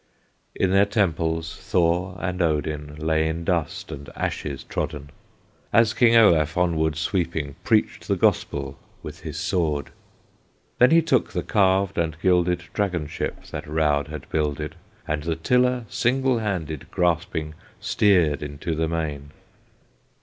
In their temples Thor and Odin Lay in dust and ashes trodden, As King Olaf, onward sweeping, Preached the Gospel with his sword. Then he took the carved and gilded Dragon ship that Raud had builded, And the tiller single handed, Grasping, steered into the main.